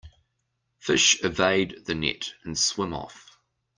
Fish evade the net and swim off.